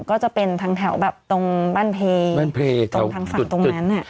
ก็จะเป็นทางแถวแบบตรงบ้านเพลงบ้านเพลงตรงทางฝั่งตรงนั้น